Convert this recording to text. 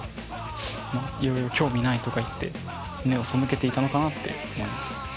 いろいろ興味ないとか言って目を背けていたのかなって思います。